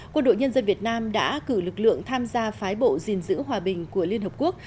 quân đội nhân dân việt nam đã cử lực lượng tham gia phái bộ gìn giữ hòa bình của liên hợp quốc